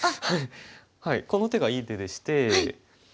はいこの手がいい手でして。